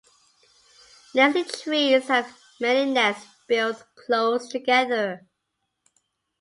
Nesting trees have many nests built close together.